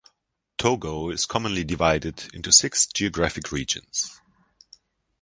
Togo is commonly divided into six geographic regions.